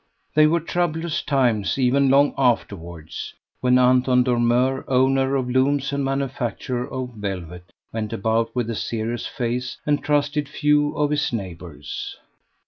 They were troublous times even long afterwards, when Anton Dormeur, owner of looms and manufacturer of velvet, went about with a serious face, and trusted few of his neighbours.